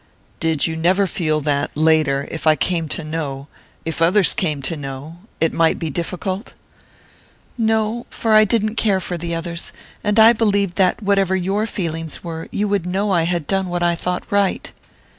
"Did you never feel that, later, if I came to know if others came to know it might be difficult ?" "No; for I didn't care for the others and I believed that, whatever your own feelings were, you would know I had done what I thought right."